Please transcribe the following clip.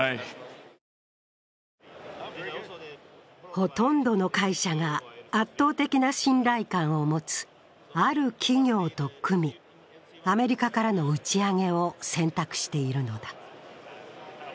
ほとんどの会社が、圧倒的な信頼感を持つ、ある企業と組みアメリカからの打ち上げを選択しているのだ。